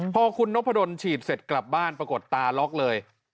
พอคุณนพดลฉีดเสร็จกลับบ้านปรากฏตาล็อกเลย